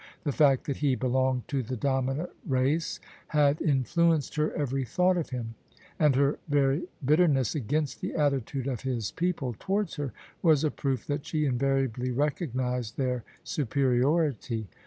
The fact that he belonged to the dominant race had influenced her every thought of him : and her very bitterness against the attitude of his people towards her, was a proof that she invariably recognised their superiority.